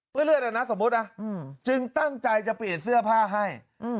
เลือดอ่ะนะสมมุตินะจึงตั้งใจจะเปลี่ยนเสื้อผ้าให้